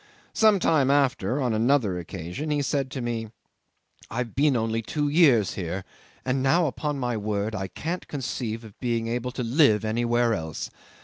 Some time after, on another occasion, he said to me, "I've been only two years here, and now, upon my word, I can't conceive being able to live anywhere else.